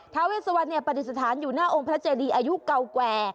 เวสวรรณปฏิสถานอยู่หน้าองค์พระเจดีอายุเก่าแก่